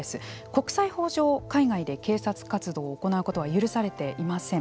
国際法上海外で警察活動を行うことは許されていません。